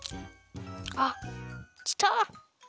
あっきた。